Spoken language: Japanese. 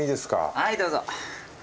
はいどうぞ。